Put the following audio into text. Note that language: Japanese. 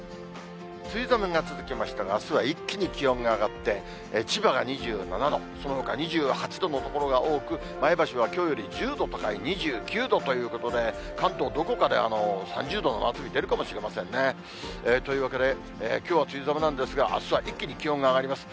梅雨寒が続きましたが、あすは一気に気温が上がって、千葉が２７度、そのほか２８度の所が多く、前橋はきょうより１０度高い２９度ということで、関東、どこかで３０度の真夏日、出るかもしれませんね。というわけで、きょうは梅雨寒なんですが、あすは一気に気温が上がります。